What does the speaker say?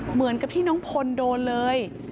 เหมือนกับที่น้องพลโดนเลย